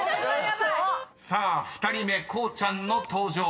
［２人目こうちゃんの登場です］